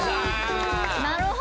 なるほど！